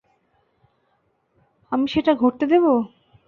আমি সেটা ঘটতে দেবো?